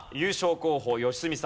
候補良純さん